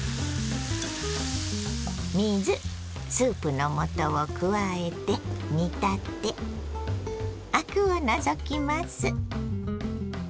水スープの素を加えて煮立てアクを除きます。